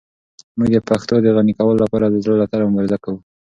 موږ د پښتو د غني کولو لپاره د زړه له تله مبارزه کوو.